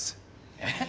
えっ？